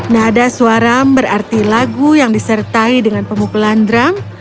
nada suaram berarti lagu yang disertai dengan pemukulan drang